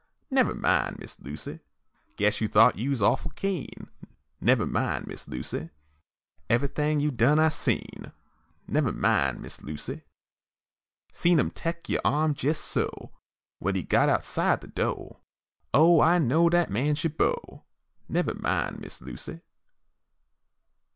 Nevah min', Miss Lucy. Guess you thought you's awful keen; Nevah min', Miss Lucy. Evahthing you done, I seen; Nevah min', Miss Lucy. Seen him tek you' arm jes' so, When he got outside de do' Oh, I know dat man's yo' beau! Nevah min', Miss Lucy.